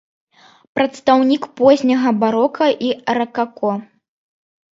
Прадстаўнік позняга барока і ракако.